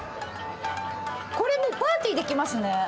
これもうパーティーできますね。